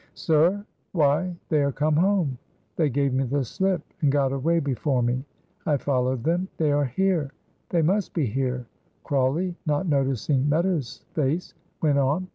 "Sir! Why, they are come home. They gave me the slip, and got away before me. I followed them. They are here. They must be here." Crawley, not noticing Meadows' face, went on.